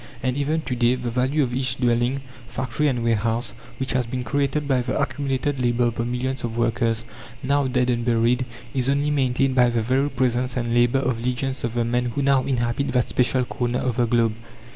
And even to day, the value of each dwelling, factory, and warehouse, which has been created by the accumulated labour of the millions of workers, now dead and buried, is only maintained by the very presence and labour of legions of the men who now inhabit that special corner of the globe.